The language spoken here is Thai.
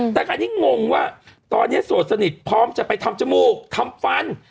แต่คราวนี้งงว่าตอนนี้โสดสนิทพร้อมจะไปทำจมูกทำฟัน